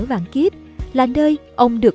vạn kiếp là nơi ông được